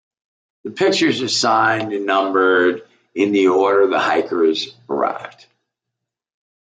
The pictures are signed and numbered in the order the hikers arrive.